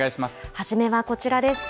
初めはこちらです。